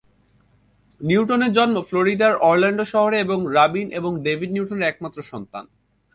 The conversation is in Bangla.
নিউটনের জন্ম ফ্লোরিডার অরল্যান্ডো শহরে এবং রবিন এবং ডেভিড নিউটনের একমাত্র সন্তান।